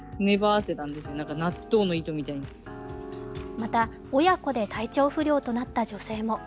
また親子で体調不良となった女性も。